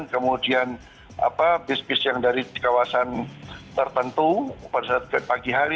kemudian bis bis yang dari kawasan tertentu pada saat pagi hari